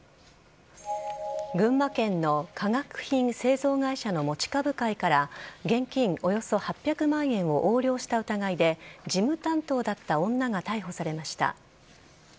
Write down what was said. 群馬県の化学品製造会社の持ち株会から現金およそ８００万円を横領した疑いで事務担当だった女が逮捕されました。